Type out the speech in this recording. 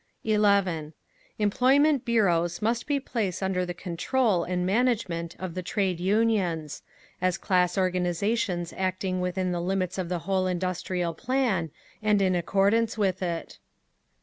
11. Employment bureaus must be placed under the control and management of the Trade Unions, as class organisations acting within the limits of the whole industrial plan, and in accordance with it.